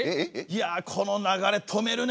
いやこの流れ止めるね！